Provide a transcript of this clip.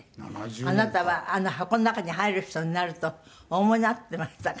あなたはあの箱の中に入る人になるとお思いになっていましたか？